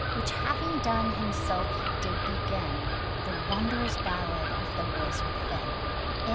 Which having done, himself he did begin The wondrous ballad of the "Wizard Finn."